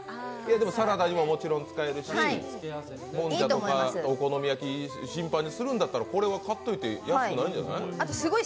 サラダにももちろん使えるし、もんじゃとかお好み焼き、頻繁にするんだったら買っといても安くないんじゃない？